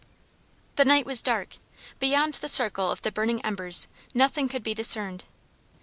The night was dark: beyond the circle of the burning embers nothing could be discerned.